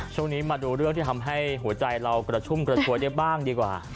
ช่วงนี้มาดูเรื่องที่ทำให้หัวใจเรากระชุ่มกระชวยได้บ้างดีกว่า